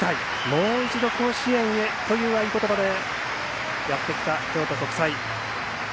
もう一度甲子園へという合言葉でやってきた京都国際。